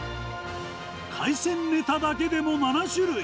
海鮮ネタだけでも７種類。